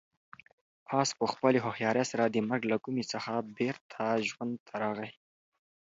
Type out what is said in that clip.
آس په خپلې هوښیارۍ سره د مرګ له کومې څخه بېرته ژوند ته راغی.